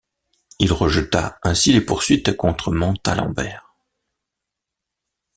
Il rejeta ainsi les poursuites contre Montalembert.